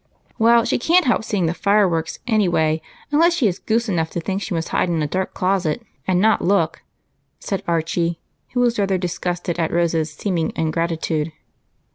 " Well, she can't help seeing the fire works any way, unless she is goose enough to think she must hide in a dark closet and not look," said Archie, who was rather disgusted at Rose's seeming ingratitude.